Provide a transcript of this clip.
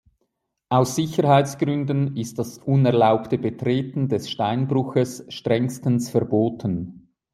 Aus Sicherheitsgründen ist das unerlaubte Betreten des Steinbruches strengstens verboten.